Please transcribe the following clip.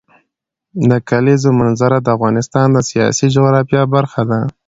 د کلیزو منظره د افغانستان د سیاسي جغرافیه برخه ده.